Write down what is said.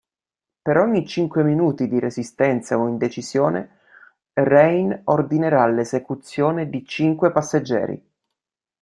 Per ogni cinque minuti di resistenza o indecisione, Rane ordinerà l'esecuzione di cinque passeggeri.